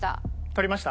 取りました？